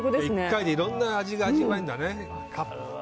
１回でいろんな味が味わえるんだね。